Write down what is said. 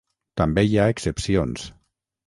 També hi ha excepcions.